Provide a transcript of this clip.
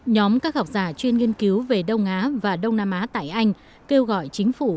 nhóm các học giả chuyên nghiên cứu về đông á và đông nam á tại anh kêu gọi chính phủ